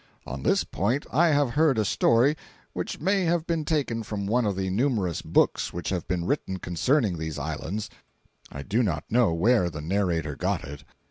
On this point, I have heard a story, which may have been taken from one of the numerous books which have been written concerning these islands—I do not know where the narrator got it.